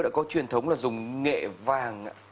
đã có truyền thống là dùng nghệ vàng